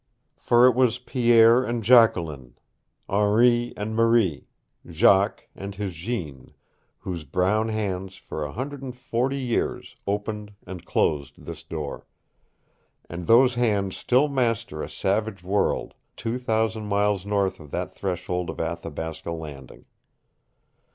For it was Pierre and Jacqueline, Henri and Marie, Jacques and his Jeanne, whose brown hands for a hundred and forty years opened and closed this door. And those hands still master a savage world for two thousand miles north of that threshold of Athabasca Landing.